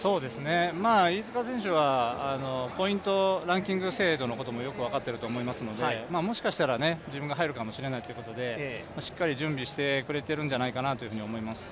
飯塚選手はポイント、ランキング制度のこともよく分かっていますので、もしかしたら自分が入るかもしれないということでしっかり準備してくれているんじゃないかと思います。